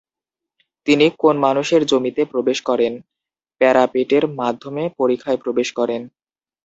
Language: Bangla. তিনি "কোন মানুষের জমিতে" প্রবেশ করেন, প্যারাপেটের মাধ্যমে পরিখায় প্রবেশ করেন।